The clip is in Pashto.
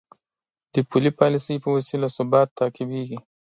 د پولي پالیسۍ په وسیله ثبات تعقیبېږي.